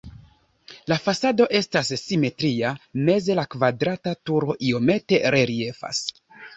La fasado estas simetria, meze la kvadrata turo iomete reliefas.